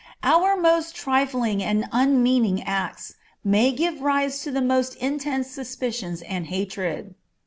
Our most trifling and unmeaning acts may give rise to the most intense suspicions and hatred.